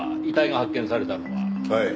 遺体が発見されたのは。